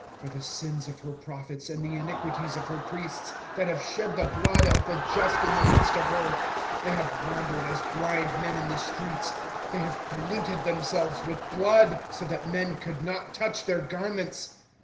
25:004:013 For the sins of her prophets, and the iniquities of her priests, that have shed the blood of the just in the midst of her, 25:004:014 They have wandered as blind men in the streets, they have polluted themselves with blood, so that men could not touch their garments.